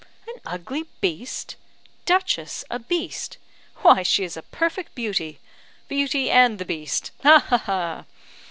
"An ugly beast! Duchess a beast? Why she is a perfect beauty! Beauty and the beast! Ha, ha, ha!